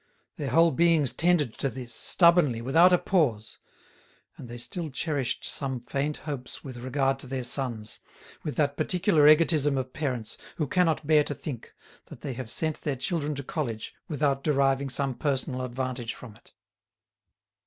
Their whole beings tended to this, stubbornly, without a pause. And they still cherished some faint hopes with regard to their sons, with that peculiar egotism of parents who cannot bear to think that they have sent their children to college without deriving some personal advantage from it.